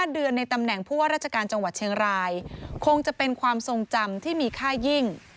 ๕เดือนในตำแหน่งผู้ว่าราชการจังหวัดเชียงรายคงจะเป็นความทรงจำที่มีค่ายิ่ง